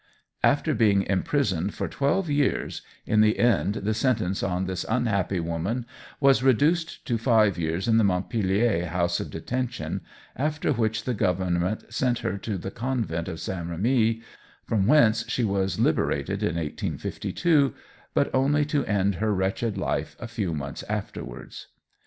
After being imprisoned for twelve years, in the end the sentence on this unhappy woman was reduced to five years in the Montpellier house of detention, after which the Government sent her to the Convent of St. Rémy, from whence she was liberated in 1852, but only to end her wretched life a few months afterwards.